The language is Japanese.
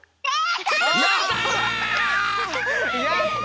やった！